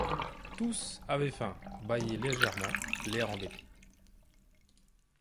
Tous avaient faim, bâillaient légèrement, l'air embêté.